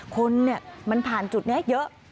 คนมันผ่านจุดนี้เยอะ